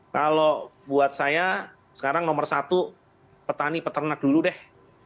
kalau buat saya sekarang nomor satu petani peternak dulu deh